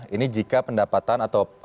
ini jika pendapatan atau